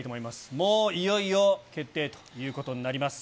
もういよいよ決定ということになります。